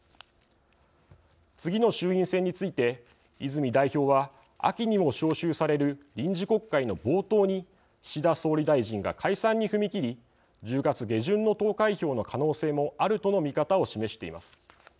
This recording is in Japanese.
次の衆院選について、泉代表は秋にも召集される臨時国会の冒頭に岸田総理大臣が解散に踏み切り１０月下旬の投開票の可能性もあるとの見方を示しています。